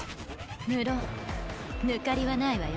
無論抜かりはないわよ。